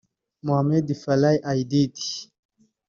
Mohamed Farray Aidid